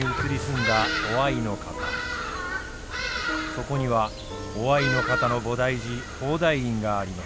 そこには於愛の方の菩提寺宝台院があります。